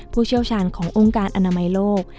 ผู้เชี่ยวชาญขององค์การอนามัยโลก